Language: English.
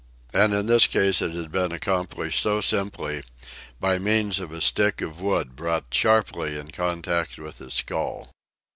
And in this case it had been accomplished so simply, by means of a stick of wood brought sharply in contact with his skull.